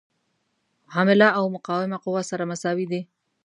عامله او مقاومه قوه سره مساوي دي.